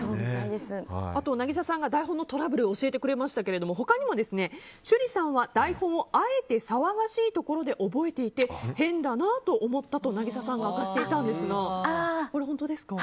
あと渚さんが、台本のトラブルを教えてくれましたが他にも趣里さんは台本をあえて騒がしいところで覚えていて変だなと思ったと明かしていたんですがこれ本当ですか？